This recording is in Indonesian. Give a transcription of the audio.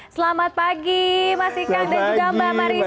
selamat pagi mas ika dan juga mbak maria